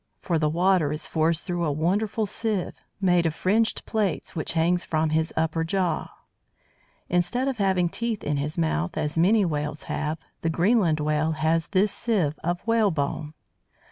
For the water is forced through a wonderful sieve, made of fringed plates, which hangs from his upper jaw. Instead of having teeth in his mouth, as many Whales have, the Greenland Whale has this sieve of "whalebone."